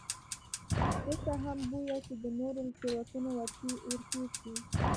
ده ته هم بویه چې د نورو له تېروتنو ورتېر شي.